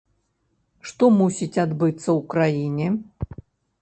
Што мусіць адбыцца ў краіне.